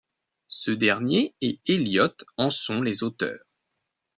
Ce dernier et Eliot en sont les auteurs.